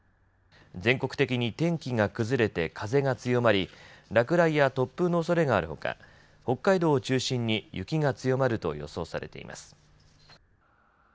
全国的に天気が崩れて風が強まり落雷や突風のおそれがあるほか北海道を中心に雪が強まると予想されています。